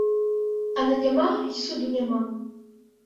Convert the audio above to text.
А на няма і суду няма.